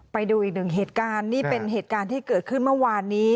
ไปดูอีกหนึ่งเหตุการณ์นี่เป็นเหตุการณ์ที่เกิดขึ้นเมื่อวานนี้